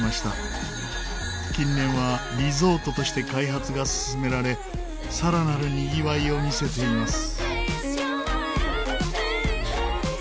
近年はリゾートとして開発が進められさらなる賑わいを見せています。